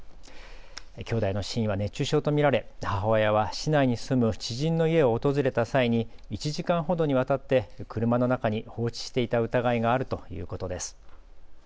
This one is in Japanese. きょうだいの死因は熱中症と見られ、母親は市内に住む知人の家を訪れた際に１時間ほどにわたって車の中に放置していた疑いがあるということです。